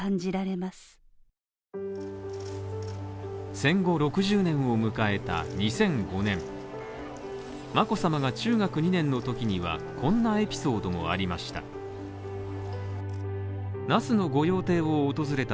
戦後６０年を迎えた２００５年、眞子さまが中学２年のときにはこんなエピソードもありました。